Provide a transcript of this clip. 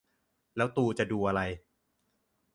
แล้วตูจะดูอะไร